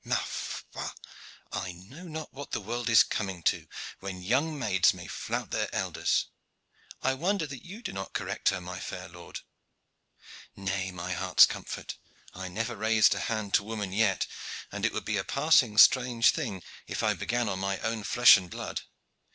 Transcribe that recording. Ma foi! I know not what the world is coming to, when young maids may flout their elders. I wonder that you do not correct her, my fair lord." "Nay, my heart's comfort, I never raised hand to woman yet, and it would be a passing strange thing if I began on my own flesh and blood.